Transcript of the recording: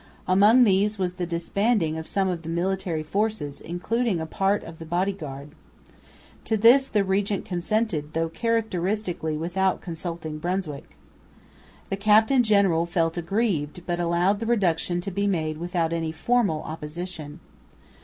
Among these was the disbanding of some of the military forces, including a part of the body guard. To this the regent consented, though characteristically without consulting Brunswick. The captain general felt aggrieved, but allowed the reduction to be made without any formal opposition.